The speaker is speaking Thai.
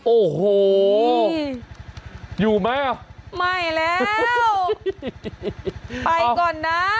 โอ้โหอยู่ไหมอ่ะไม่แล้วไปก่อนนะ